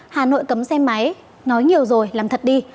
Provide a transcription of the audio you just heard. hà nội cấm xe máy nói nhiều rồi làm thật đi